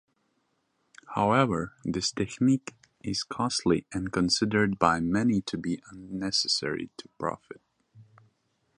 However, this technique is costly and considered by many to be unnecessary to profit.